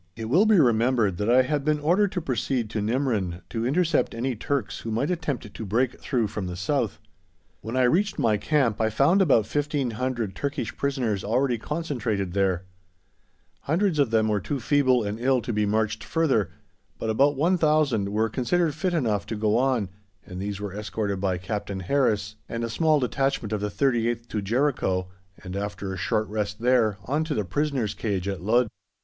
It will be remembered that I had been ordered to proceed to Nimrin to intercept any Turks who might attempt to break through from the South. When I reached my camp I found about 1,500 Turkish prisoners already concentrated there; hundreds of them were too feeble and ill to be marched further, but about 1,000 were considered fit enough to go on, and these were escorted by Captain Harris and a small detachment of the 38th to Jericho, and, after a short rest there, on to the prisoners' cage at Ludd.